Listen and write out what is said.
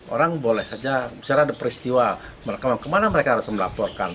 orang boleh saja misalnya ada peristiwa mereka mau kemana mereka harus melaporkan